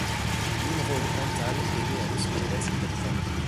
Nimród Antal est né à Los Angeles en Californie.